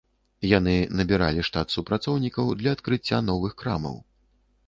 Яны набіралі штат супрацоўнікаў для адкрыцця новых крамаў.